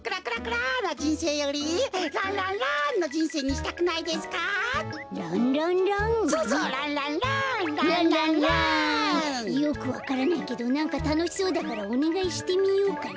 よくわからないけどなんかたのしそうだからおねがいしてみようかな。